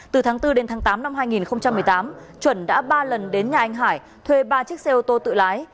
từ tháng bốn đến tháng tám năm hai nghìn một mươi tám chuẩn đã ba lần đến nhà anh hải thuê ba chiếc xe ô tô tự lái